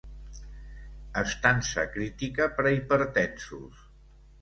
Estança crítica per a hipertensos.